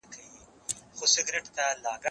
زه اجازه لرم چي ځواب وليکم،،